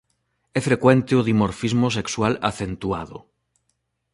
É frecuente o dimorfismo sexual acentuado.